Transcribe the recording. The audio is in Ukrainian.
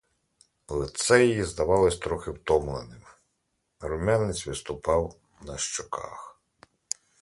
Лице її здавалось трохи втомленим; рум'янець виступав на щоках.